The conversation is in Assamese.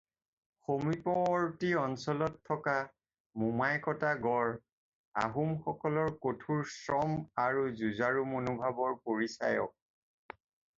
সমীপৱৰ্তী অঞ্চলত থকা "মোমাই-কটা গড়" আহোমসকলৰ কঠোৰ শ্ৰম আৰু যুঁজাৰু মনোভাৱৰ পৰিচায়ক।